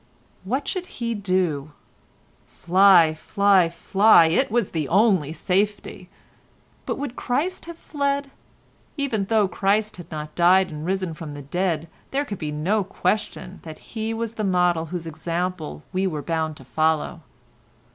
What should he do? Fly, fly, fly—it was the only safety. But would Christ have fled? Even though Christ had not died and risen from the dead there could be no question that He was the model whose example we were bound to follow.